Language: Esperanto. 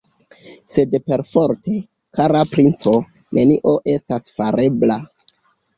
Sed perforte, kara princo, nenio estas farebla!